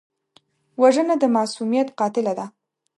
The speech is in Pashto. وژنه د معصومیت قاتله ده